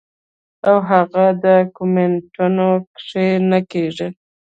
او هغه پۀ کمنټونو کښې نۀ کيږي -